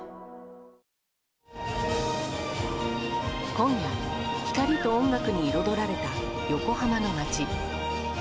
今夜、光と音楽に彩られた横浜の街。